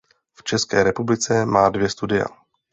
V České republice má dvě studia.